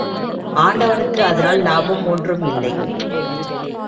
ஆண்டவனுக்கு அதனால் லாபம் ஒன்றும் இல்லை.